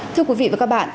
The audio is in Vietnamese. thưa quý vị và các bạn